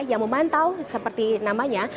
yang memantau seperti namanya